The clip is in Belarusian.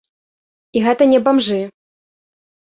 І гэта не бамжы.